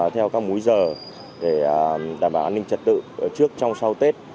theo các múi giờ để đảm bảo an ninh trật tự trước trong sau tết